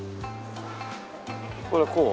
これこう？